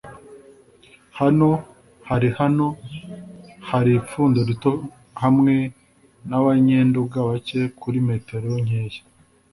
Hano hari hano hari ipfundo rito hamwe nabanyenduga bake kuri metero nkeya